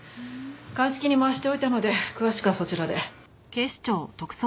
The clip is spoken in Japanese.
鑑識に回しておいたので詳しくはそちらで。